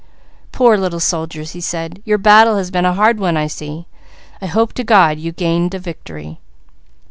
"Poor little soldiers," he said. "Your battle has been a hard one I see. I hope to God you gained a victory."